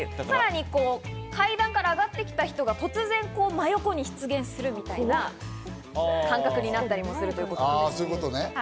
さらに階段から上がってきた人が突然真横に出現するみたいな感覚になったりもするということです。